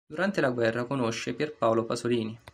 Durante la guerra conosce Pier Paolo Pasolini.